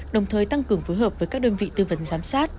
đồng thời tăng cường phối hợp với các đơn vị tư vấn giám sát